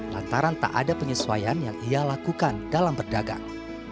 lantaran tak ada penyesuaian yang ia lakukan dalam berdagang